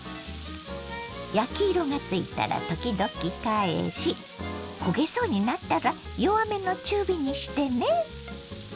焼き色がついたら時々返し焦げそうになったら弱めの中火にしてね。